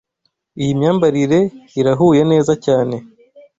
Iyi myambarire irahuye neza cyane.